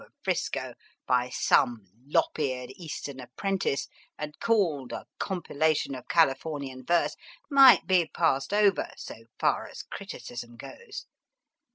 of Frisco, by some lop eared Eastern apprentice, and called " A Compilation of Californian Verse," might be passed over, so far as criticism goes.